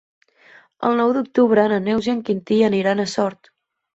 El nou d'octubre na Neus i en Quintí aniran a Sort.